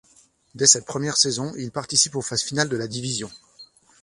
Dès cette première saison il participe aux phases finales de la division.